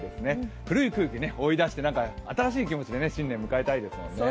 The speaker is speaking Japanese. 古い空気を追い出して、新しい気持ちで新年を迎えたいですよね。